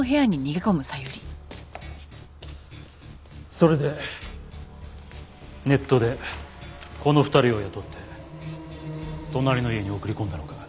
それでネットでこの２人を雇って隣の家に送り込んだのか？